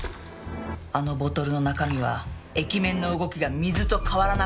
あのボトルの中身は液面の動きが水と変わらなかった。